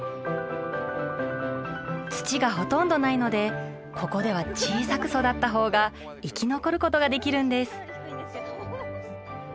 土がほとんどないのでここでは小さく育ったほうが生き残ることができるんです。